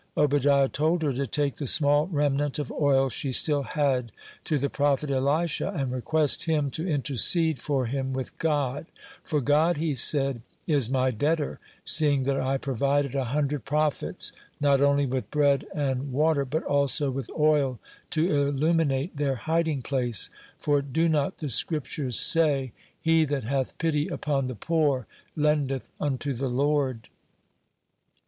Obadiah told her to take the small remnant of oil she still had to the prophet Elisha and request him to intercede for him with God, "for God," he said, "is my debtor, seeing that I provided a hundred prophets, not only with bread and water, but also with oil to illuminate their hiding place, for do not the Scriptures say: 'He that hath pity upon the poor lendeth unto the Lord'?"